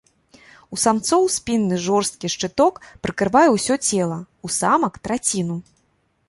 У самцоў спінны жорсткі шчыток прыкрывае ўсё цела, у самак траціну.